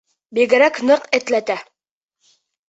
Бигерәк ныҡ этләтә.